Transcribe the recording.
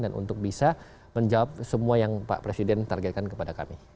dan untuk bisa menjawab semua yang pak presiden targetkan kepada kami